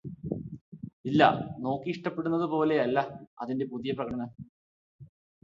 ഇല്ല നോക്കി ഇഷ്ടപ്പെടുന്നതു പോലെയല്ല അതിന്റെ പുതിയ പ്രകടനം